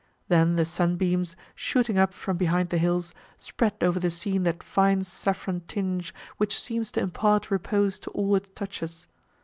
Then the sunbeams, shooting up from behind the hills, spread over the scene that fine saffron tinge, which seems to impart repose to all it touches.